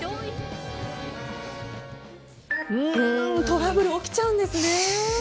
トラブル起きちゃうんですね。